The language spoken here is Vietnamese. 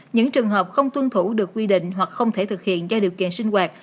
những trường hợp không tuân thủ được quy định hoặc không thể thực hiện do điều kiện sinh hoạt